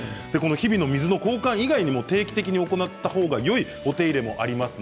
日々の水の交換以外に定期的に行った方がいいお手入れもあります。